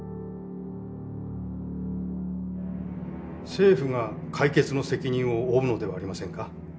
政府が解決の責任を負うのではありませんか。